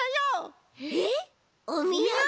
えっおみやげ！？